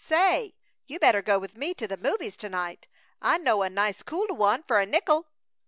"Say, you better go with me to the movies to night! I know a nice cool one fer a nickel!"